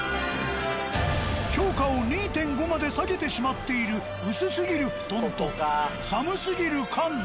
評価を２．５まで下げてしまっている薄すぎる布団と寒すぎる館内。